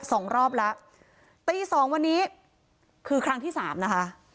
สองรอบแล้วตีสองวันนี้คือครั้งที่สามนะคะ